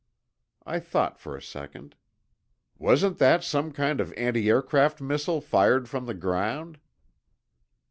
I thought for a second. "Wasn't that some kind of antiaircraft missile fired from the ground?"